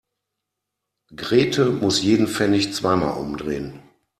Grete muss jeden Pfennig zweimal umdrehen.